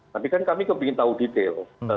tapi kan kami ingin tahu detail